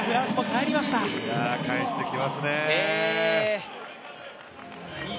返してきますね。